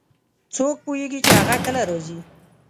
څوک پوهیږي چې هغه کله راځي